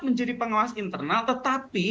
menjadi pengawas internal tetapi